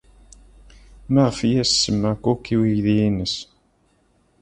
Maɣef ay as-tsemma Cook i uydi-nnes?